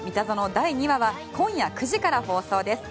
第２話は今夜９時から放送です。